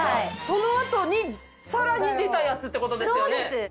その後にさらに出たやつってことですよね。